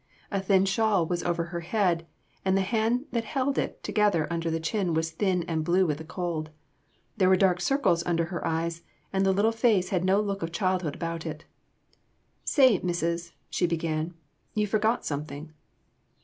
A thin shawl was over her head, and the hand that held it together under her chin was thin and blue with the cold. There were dark circles under her eyes, and the little face had no look of childhood about it. "'Say, missus,' she began, 'you forgot something.